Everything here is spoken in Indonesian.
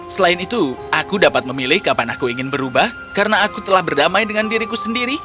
selain itu aku dapat memilih kapan aku ingin berubah karena aku telah berdamai dengan diriku sendiri